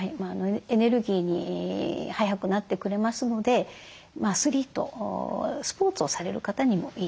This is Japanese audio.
エネルギーに早くなってくれますのでアスリートスポーツをされる方にもいいです。